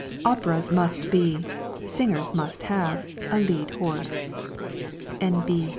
Operas must be, Singers must have, a lead horse (N. B.